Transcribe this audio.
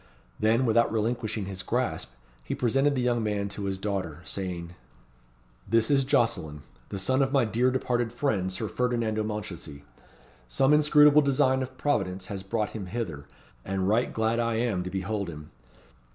Then, without relinquishing his grasp, he presented the young man to his daughter, saying "This is Jocelyn, the son of my dear departed friend, Sir Ferdinando Mounchensey. Some inscrutable design of Providence has brought him hither, and right glad I am to behold him.